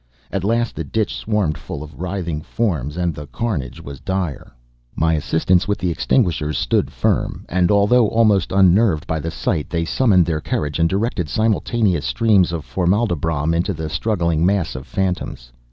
At last the ditch swarmed full of writhing forms and the carnage was dire. My assistants with the extinguishers stood firm, and although almost unnerved by the sight, they summoned their courage, and directed simultaneous streams of formaldybrom into the struggling mass of fantoms.